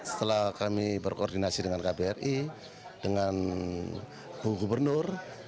setelah kami berkoordinasi dengan kbri dengan bu gubernur